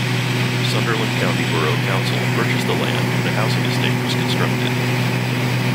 Sunderland County Borough Council purchased the land and a housing estate was constructed.